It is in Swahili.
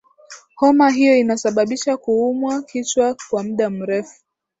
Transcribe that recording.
homa hiyo inasababisha kuumwa kichwa kwa muda mrefu